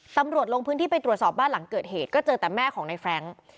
ลงพื้นที่ไปตรวจสอบบ้านหลังเกิดเหตุก็เจอแต่แม่ของในแฟรงค์